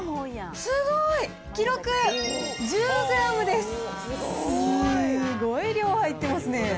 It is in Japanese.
すごい量入ってますね。